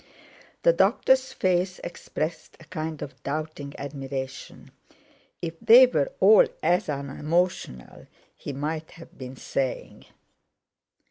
The doctor's face expressed a kind of doubting admiration. "If they were all as unemotional" he might have been saying.